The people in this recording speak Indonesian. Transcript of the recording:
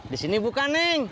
disini bukan neng